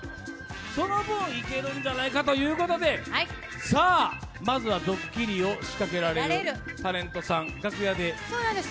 その分、いけるんじゃないかなということでまずはドッキリを仕掛けられるタレントさん、楽屋で。